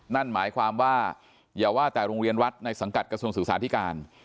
นั่นหมายความว่าอย่าว่าแต่โรงเรียนวัดในสังกัดกระทรวงศึกษาธิการ